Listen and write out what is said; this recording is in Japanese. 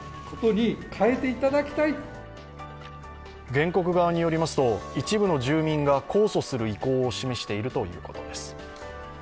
原告側によりますと一部の住民が控訴する意向を示しているということです。